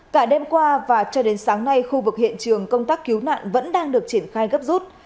cả đêm qua và cho đến sáng nay khu vực hiện trường công tác cứu nạn vẫn đang được triển khai gấp rút